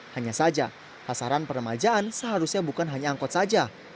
hanya saja pasaran peremajaan seharusnya bukan hanya angkot saja